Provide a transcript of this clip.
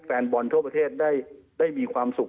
แฟนบอลทั่วประเทศได้มีความสุข